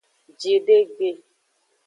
Jidegbe.